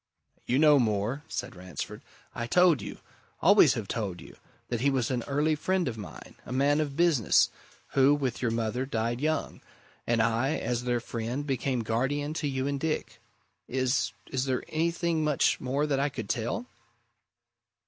"You know more," said Ransford. "I told you always have told you that he was an early friend of mine, a man of business, who, with your mother, died young, and I, as their friend, became guardian to you and Dick. Is is there anything much more that I could tell?"